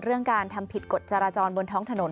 การทำผิดกฎจราจรบนท้องถนน